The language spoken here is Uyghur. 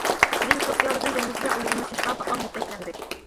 دىن سوتسىيالىزم جەمئىيىتىگە ئۇيغۇنلىشىشقا پائال يېتەكلەندى.